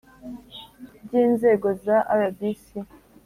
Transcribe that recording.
by inzego za rbc